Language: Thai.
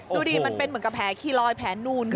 ดูดิมันเป็นเหมือนกับแผลขี้รอยแผลนูนขึ้นมาด้วย